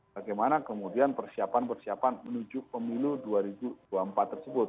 bagaimana kemudian persiapan persiapan menuju pemilu dua ribu dua puluh empat tersebut